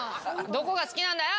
どこが好きなんだよ！